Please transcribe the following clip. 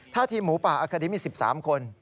ถ้าทีมหมูป่าอาคาดีมี๑๓คน